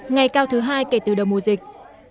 ngày cao thứ hai kể từ đầu mùa dịch